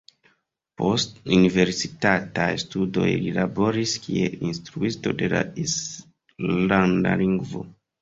Post universitataj studoj li laboris kiel instruisto de la islanda lingvo.